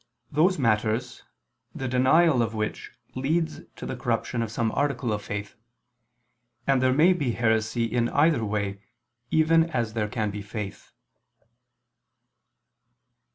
those matters, the denial of which leads to the corruption of some article of faith; and there may be heresy in either way, even as there can be faith.